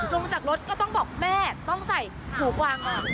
ลงจากรถก็ต้องบอกแม่ต้องใส่หูกวาง